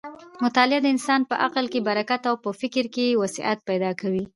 مطالعه د انسان په عقل کې برکت او په فکر کې وسعت پیدا کوي.